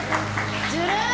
ずるい！